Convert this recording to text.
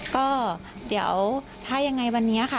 ก็เดี๋ยวถ้ายังไงวันนี้ค่ะ